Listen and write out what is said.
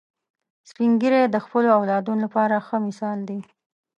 سپین ږیری د خپلو اولادونو لپاره ښه مثال دي